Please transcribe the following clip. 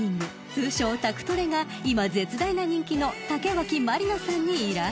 通称宅トレが今絶大な人気の竹脇まりなさんに依頼］